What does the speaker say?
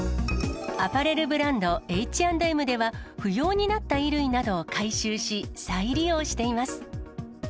アパレルブランド、Ｈ＆Ｍでは不要になった衣類などを回収し、再利用しています。